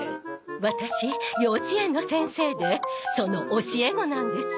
ワタシ幼稚園の先生でその教え子なんです。